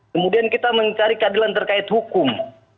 kemudian kita mencari keadilan terkait hukum